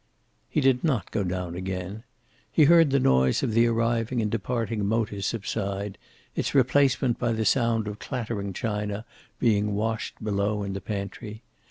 He did not go down again. He heard the noise of the arriving and departing motors subside, its replacement by the sound of clattering china, being washed below in the pantry.